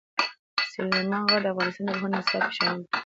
سلیمان غر د افغانستان د پوهنې نصاب کې شامل دي.